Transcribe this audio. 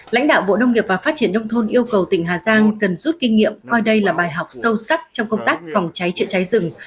lãnh đạo bộ nông nghiệp và phát triển nông thôn yêu cầu tỉnh hà giang cần rút kinh nghiệm coi đây là bài học sâu sắc trong công tác phòng cháy chữa cháy rừng